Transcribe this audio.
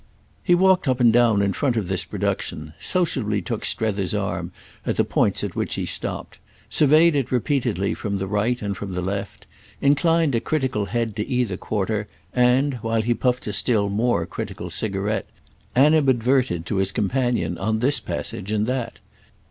He walked up and down in front of this production, sociably took Strether's arm at the points at which he stopped, surveyed it repeatedly from the right and from the left, inclined a critical head to either quarter, and, while he puffed a still more critical cigarette, animadverted to his companion on this passage and that.